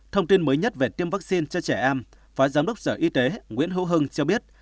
thông tin mới nhất về tiêm vaccine cho trẻ em phó giám đốc sở y tế nguyễn hữu hưng cho biết